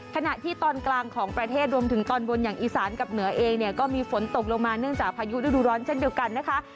ขณะที่ตอนกลางของประเทศรวมถึงตอนบนอย่างอีสานกับเหนือเองเนี่ยก็มีฝนตกลงมาเนื่องจากพายุฤดูร้อนเช่นเดียวกันนะคะ